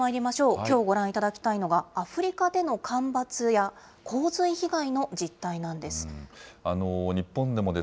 きょうご覧いただきたいのが、アフリカでの干ばつや、洪水被害の実態なんです。